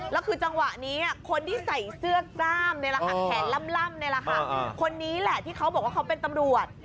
แล้วคือจังหวะนี้คนที่ใส่เสื้อกล้ามแขนล่ำนี่แหละค่ะคนนี้แหละที่เขาบอกว่าเขาเป็นตำรวจ